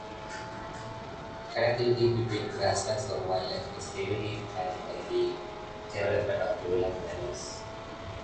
Connectivity between grasslands for wildlife is heavily impaired by the development of lowland valleys.